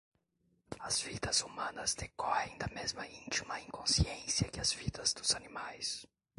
As vidas humanas decorrem da mesma íntima inconsciência que as vidas dos animais.